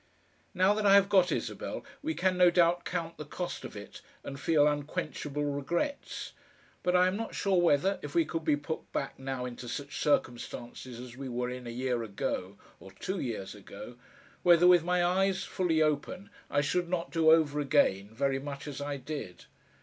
Now that I have got Isabel we can no doubt count the cost of it and feel unquenchable regrets, but I am not sure whether, if we could be put back now into such circumstances as we were in a year ago, or two years ago, whether with my eyes fully open I should not do over again very much as I did.